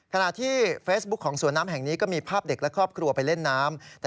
ขณะที่เฟซบุ๊คของสวนน้ำแห่งนี้ก็มีภาพเด็กและครอบครัวไปเล่นน้ำ